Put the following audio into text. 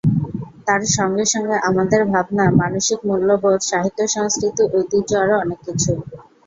তার সঙ্গে সঙ্গে আমাদের ভাবনা, মানসিক মূল্যবোধ, সাহিত্য-সংস্কৃতি, ঐতিহ্য আরও অনেক কিছু।